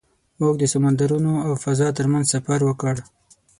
موږ د سمندرونو او فضا تر منځ سفر وکړ.